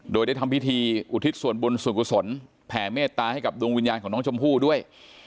โดยได้ทำพิธีอุทิศส่วนบุญส่วนกุศลแผ่เมตตาให้กับดวงวิญญาณของน้องชมพู่ด้วย